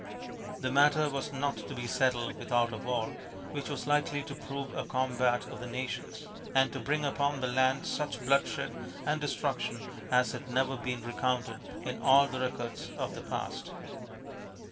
The matter was not to be settled without a war, which was likely to prove a combat of the nations and to bring upon the land such bloodshed and destruction as had never been recounted in all the records of the past.